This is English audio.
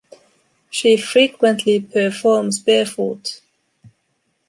She frequently performs barefoot.